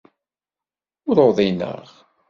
Ur uḍineɣ.